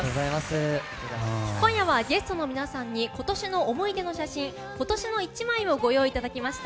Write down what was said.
今夜はゲストの皆さんに今年の思い出の写真今年の１枚をご用意いただきました。